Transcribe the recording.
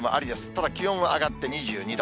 ただ気温は上がって２２度。